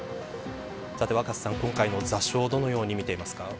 若狭さん、今回の座礁どのように見ていますか。